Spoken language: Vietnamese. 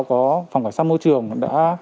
có phòng khởi sát môi trường đã